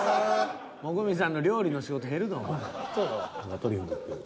もこみちさんの料理の仕事減るど。